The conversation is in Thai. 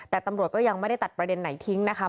แต่ตำรวจก็ยังไม่ได้ตัดประเด็นไหนทิ้งนะคะ